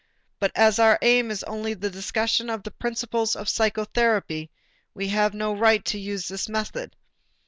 But as our aim is only a discussion of principles of psychotherapy, we have no right to use this method.